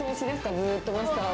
ずっとマスターは。